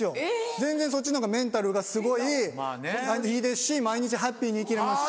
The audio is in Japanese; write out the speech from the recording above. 全然そっちのほうがメンタルがすごいいいですし毎日ハッピーに生きれますし。